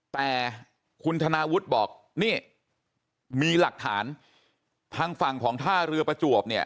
แต่คุณธนาวุฒิบอกนี่มีหลักฐานทางฝั่งของท่าเรือประจวบเนี่ย